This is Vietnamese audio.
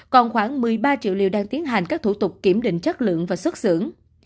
còn khoảng một mươi ba triệu liều đang tiến hành các thủ tục kiểm định chất lượng và xuất xưởng